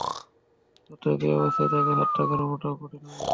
অতএব এ অবস্থায় তাঁকে হত্যা করা মোটেও কঠিন হবে না।